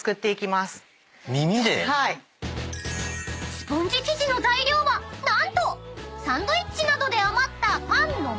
［スポンジ生地の材料は何とサンドイッチなどで余ったパンの耳］